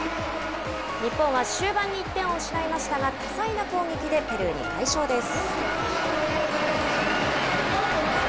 日本は終盤に１点を失いましたが、多彩な攻撃でペルーに快勝です。